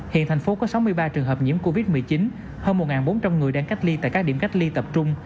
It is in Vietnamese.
hiện thành phố có sáu mươi ba trường hợp nhiễm covid một mươi chín hơn một bốn trăm linh người đang cách ly tại các điểm cách ly tập trung